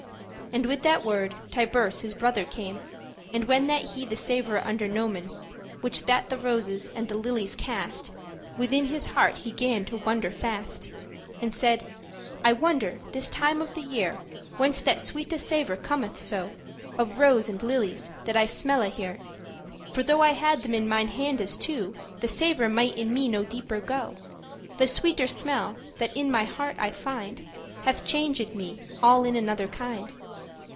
And, with that word, Tiburce his brother came. And when that he the savour undernome* *perceived Which that the roses and the lilies cast, Within his heart he gan to wonder fast; And said; "I wonder, this time of the year, Whence that sweete savour cometh so Of rose and lilies, that I smelle here; For though I had them in mine handes two, The savour might in me no deeper go; The sweete smell, that in my heart I find, Hath changed me all in another kind."